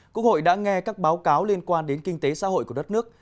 quốc hội đã nghe các báo cáo liên quan đến kinh tế xã hội của đất nước